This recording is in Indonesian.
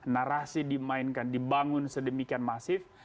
narasi dimainkan dibangun sedemikian masif